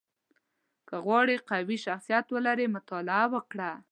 • که غواړې قوي شخصیت ولرې، مطالعه وکړه.